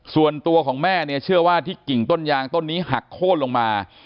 ส่วนตัวของแม่เนี่ยเชื่อว่าที่กิ่งต้นยางต้นนี้หักโค้นลงมา